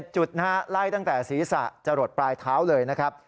จุดนะฮะไล่ตั้งแต่ศีรษะจะหลดปลายเท้าเลยนะครับ